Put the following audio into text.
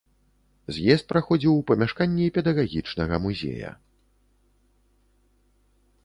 З'езд праходзіў у памяшканні педагагічнага музея.